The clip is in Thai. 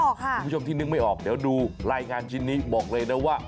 คุณผู้ชมที่นึกไม่ออกเดี๋ยวดูรายงานชิ้นนี้บอกเลยนะว่า